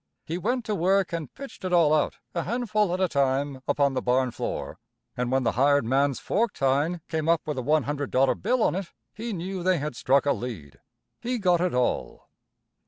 He went to work and pitched it all out, a handful at a time, upon the barn floor, and when the hired man's fork tine came up with a $100 bill on it he knew they had struck a lead. He got it all.